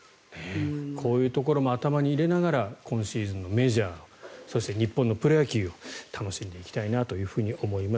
こういうところも頭に入れながら今シーズンのメジャーそして日本のプロ野球を楽しんでいきたいなと思います。